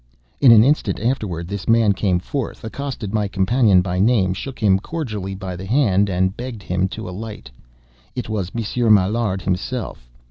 In an instant afterward, this man came forth, accosted my companion by name, shook him cordially by the hand, and begged him to alight. It was Monsieur Maillard himself.